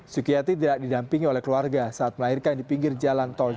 sukiyati tidak didampingi oleh keluarga saat melahirkan di pinggir jalan tol